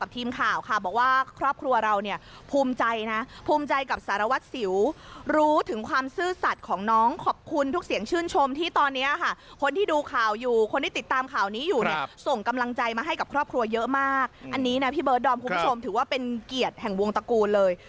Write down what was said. ที่บิศดอมคุณผู้ชมถือว่าเป็นเกียรติแห่งวงตระกูลเลย